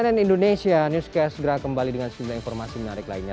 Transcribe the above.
dan cnn indonesia newscast segera kembali dengan sebuah informasi menarik lainnya